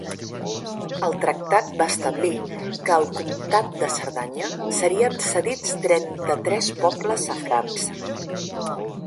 El tractat va establir que, al comtat de Cerdanya, serien cedits trenta-tres pobles a França.